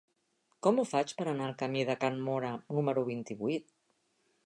Com ho faig per anar al camí de Can Móra número vint-i-vuit?